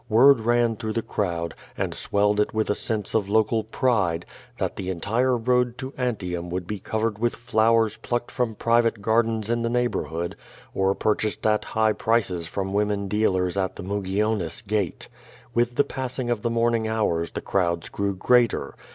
Word ran through the crowd, and swelled it with a sense of local pride, that the entire road to Antium would be covered with flowers plucked from private gardens in the neighborhood, or purchased at high prices from women dealers at the ^fugionis Gate. With the passing of the morning hours the crowds grew greater.